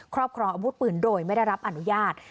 ครอบครองอาวุธปืนโดยไม่ได้รับอนุญาต